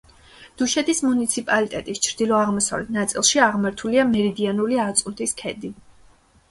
დუშეთის მუნიციპალიტეტის ჩრდილო-აღმოსავლეთ ნაწილში აღმართულია მერიდიანული აწუნთის ქედი.